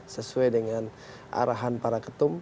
sesuai dengan arahan para ketum